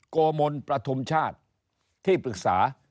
โกมลประทุมชาติที่ปรึกษา